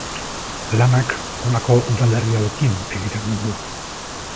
Lanak honako udalerri hauekin egiten du muga.